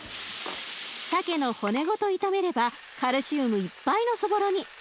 さけの骨ごと炒めればカルシウムいっぱいのそぼろに。